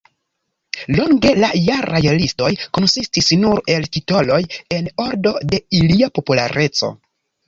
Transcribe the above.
Longe la jaraj listoj konsistis nur el titoloj en ordo de ilia populareco.